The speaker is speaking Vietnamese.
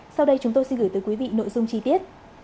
sau đây chúng tôi xin gửi tới quý vị nội dung chi tiết